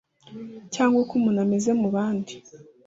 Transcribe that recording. cyangwa uko umuntu ameze mu bandi